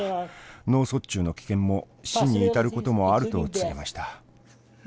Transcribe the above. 脳卒中の危険も死に至ることもある」と告げました。